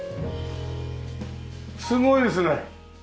すごいですね。